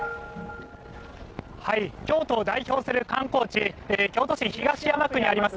京都を代表する観光地、京都市東山区にあります